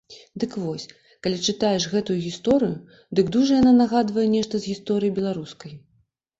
Дык вось, калі чытаеш гэтую гісторыю, дык дужа яна нагадвае нешта з гісторыі беларускай.